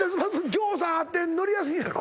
ぎょうさんあって乗りやすいんやろ？